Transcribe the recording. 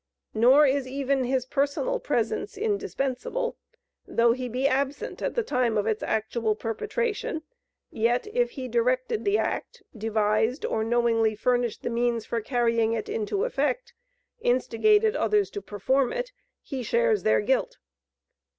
Nor is even his personal presence indispensable. Though he be absent at the time of its actual perpetration, yet, if he directed the act, devised, or knowingly furnished the means for carrying it into effect, instigated others to perform it, he shares their guilt.